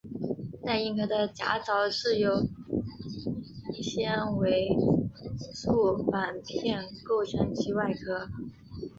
带硬壳的甲藻是由纤维素板片构成其外壳。